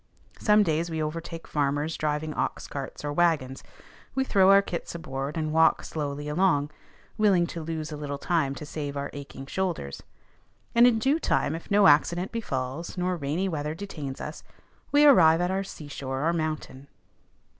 Some days we overtake farmers driving ox carts or wagons; we throw our kits aboard, and walk slowly along, willing to lose a little time to save our aching shoulders. And in due time, if no accident befalls, nor rainy weather detains us, we arrive at our seashore or mountain.